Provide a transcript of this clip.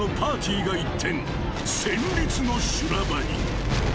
戦慄の修羅場に］